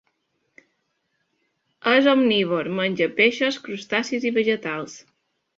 És omnívor: menja peixos, crustacis i vegetals.